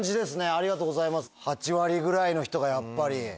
ありがとうございます８割ぐらいの人がやっぱり。